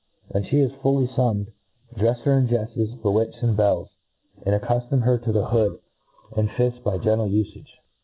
When fhe is fiiU fUmmed^ dreis her in jeffes^ bewits, and bells, and a^ccuftom her to the hood andfifl; by. gentle ufage.